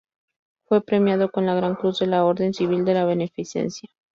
Fue premiado con la gran cruz de la Orden Civil de la Beneficencia.